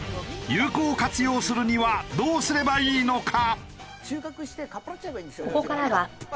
有効活用するにはどうすればいいのか？